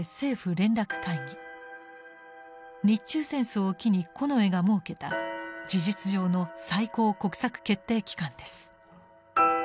日中戦争を機に近衛が設けた事実上の最高国策決定機関です。